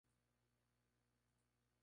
Semanas más tarde, firmó con Duque de Caxias.